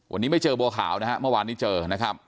วันนี้ไม่เจอบัวขาวนะฮะเมื่อวานนี้เจอนะครับ